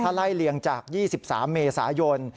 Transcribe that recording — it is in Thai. ถ้าไล่เลียงจาก๒๓เมษายน